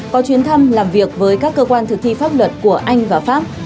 có chuyến thăm làm việc với các cơ quan thực thi pháp luật của anh và pháp